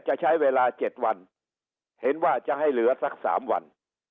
จะใช้เวลา๗วันเห็นว่าจะให้เหลือสัก๓วัน